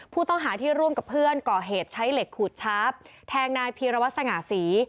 ผู้ต้องหาที่ร่วมกับเพื่อนก่อเหตุใช้เหล็กขูดชาร์ฟแทงนายพีรวัตรสง่าศรี